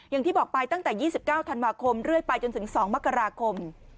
อย่างที่บอกไปตั้งแต่๒๙ธันวาคมเรื่อยไปจนถึง๒มกราคม